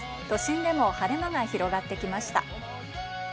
都心でも晴れ間が広がってきました。